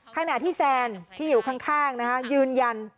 ขณะที่แซนที่อยู่ข้างยืนยัน